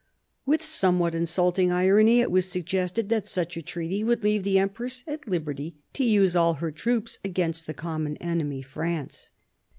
With some what insulting irony, it was suggested that such a treaty would leave the empress at liberty to use all her troops against the common enemy, France.